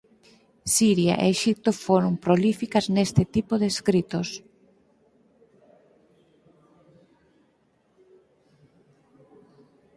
Siria e Exipto foron prolíficas neste tipo de escritos.